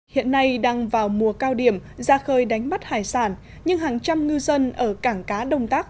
hiện nay đang vào mùa cao điểm ra khơi đánh bắt hải sản nhưng hàng trăm ngư dân ở cảng cá đông tác